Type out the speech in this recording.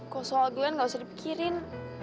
kok soal glenn gak usah dipikirin